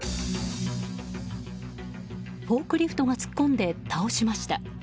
フォークリフトが突っ込んで倒しました。